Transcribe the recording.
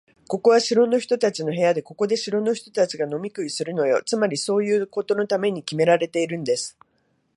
ここは城の人たちの部屋で、ここで城の人たちが飲み食いするのよ。つまり、そういうことのためにきめられているんです。